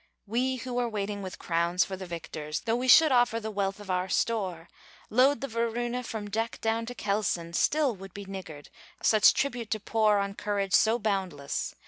We who are waiting with crowns for the victors, Though we should offer the wealth of our store, Load the Varuna from deck down to kelson, Still would be niggard, such tribute to pour On courage so boundless.